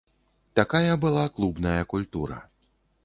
Такая была клубная культура.